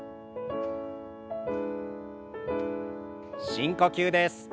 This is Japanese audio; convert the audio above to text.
深呼吸です。